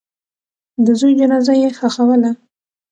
د زوی جنازه یې ښخوله.